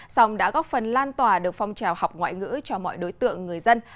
song đã góp phần lan tỏa được phong trào học ngoại ngữ cho mọi đối tượng người dân